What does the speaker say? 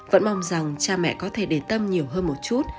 vẫn mong rằng cha mẹ có thể để tâm nhiều hơn một chút